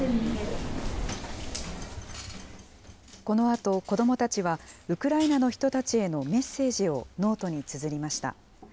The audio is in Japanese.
このあと、子どもたちはウクライナの人たちへのメッセージをノートにつづりました。